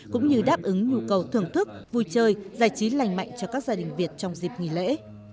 cũng như đáp ứng nhu cầu thưởng thức vui chơi giải trí lành mạnh cho các gia đình việt trong dịp nghỉ lễ